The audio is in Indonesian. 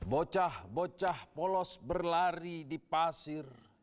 bocah bocah polos berlari di pasir